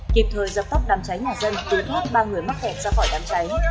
kịp thời dập tắt đám cháy nhà dân cứu thoát ba người mắc kẹt ra khỏi đám cháy